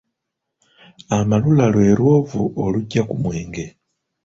Amalula lwe lwovu oluggya ku mwenge.